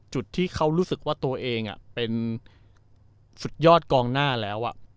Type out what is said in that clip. จุดที่เขารู้สึกว่าตัวเองเป็นสุดยอดกองหน้าแล้ว